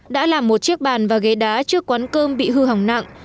đã làm một chiếc bàn và ghế đá trước quán cơm bị hư hỏng nặng